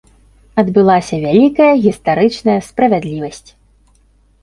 Адбылася вялікая гістарычная справядлівасць.